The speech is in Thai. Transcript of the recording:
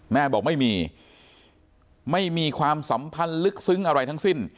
แม่บอกไม่มีไม่มีความสัมพันธ์ลึกซึ้งอะไรทั้งสิ้น